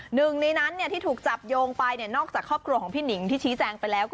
หนึ่งในนั้นที่ถูกจับโยงไปนอกจากครอบครัวของพี่หนิงที่ชี้แจงไปแล้ว